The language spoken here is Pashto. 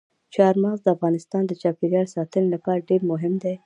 چار مغز د افغانستان د چاپیریال ساتنې لپاره ډېر مهم دي.